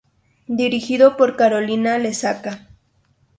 Dirigido por Carolina Lesaca.